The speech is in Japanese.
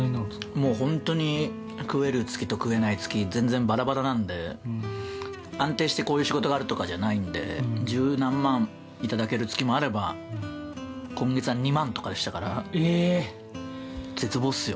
もう本当に食える月と食えない月全然ばらばらなんで、安定してこういう仕事があるとかじゃないんで十何万いただける月もあれば今月は２万とかでしたから絶望っすよ。